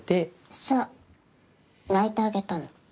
そう泣いてあげたの。